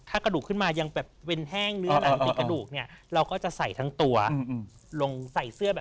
ถ้ากระดูกขึ้นมายังแบบแบบ